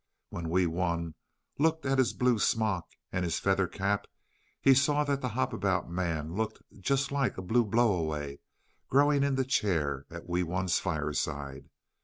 When Wee Wun looked at his blue smock and his feather cap he saw that the Hop about Man looked just like a blue blow away growing in the chair at Wee Wun's fireside.